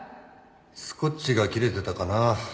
スコッチが切れてたかなぁ。